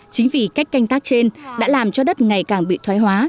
chính vì cách canh tác trên đã làm cho đất ngày càng bị thoái hóa